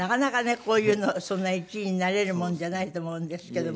こういうのそんな１位になれるもんじゃないと思うんですけども。